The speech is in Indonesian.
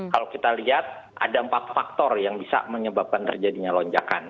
kalau kita lihat ada empat faktor yang bisa menyebabkan terjadinya lonjakan